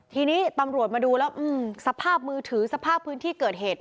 ทีนี้ตำรวจมาดูแล้วสภาพมือถือสภาพพื้นที่เกิดเหตุ